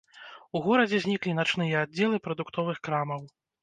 У горадзе зніклі начныя аддзелы прадуктовых крамаў.